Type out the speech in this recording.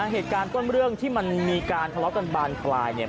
เหตุการณ์ก้อนเรื่องที่มันมีการทะเลาะตันบานไคร้